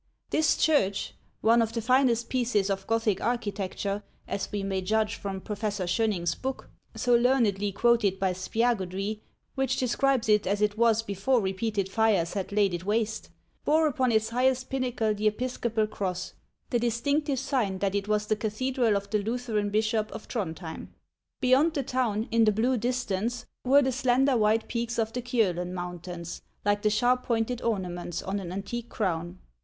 This church — one of the finest pieces of Gothic architecture, as we may judge from Professor Shoenuing's book, so learnedly quoted by Spiagudry, which describes it as it was before repeated fires had laid it waste — bore upon its highest pinnacle the episcopal cross, the distinctive sign that it was the cathedral of the Lutheran bishop of Throndhjem. Beyond the town, in the blue distance, were the slender white peaks of the Kiolen Mountains, like the sharp pointed ornaments on an antique crown.